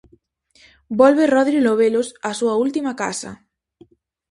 Volve Rodri Lobelos á súa última casa.